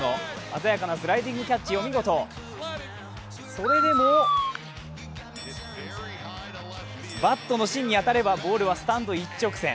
鮮やかなスライディングキャッチお見事、それでもバットの芯に当たればボールはスタンド一直線。